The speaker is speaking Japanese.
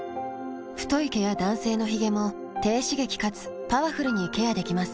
太い毛や男性のヒゲも低刺激かつパワフルにケアできます。